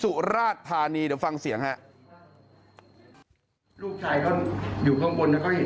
สุราชธานีเดี๋ยวฟังเสียงครับ